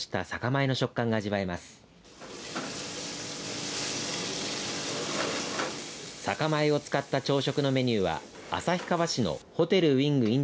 酒米を使った朝食のメニューは旭川市のホテルウィング